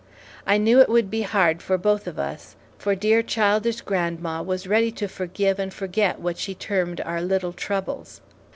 I knew it would be hard for both of us, for dear, childish grandma was ready to forgive and forget what she termed our little troubles.